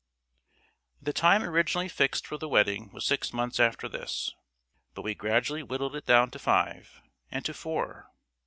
The time originally fixed for the wedding was six months after this; but we gradually whittled it down to five and to four.